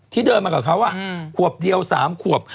เดินมากับเขาขวบเดียว๓ขวบ